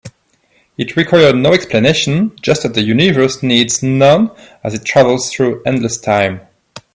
It required no explanation, just as the universe needs none as it travels through endless time.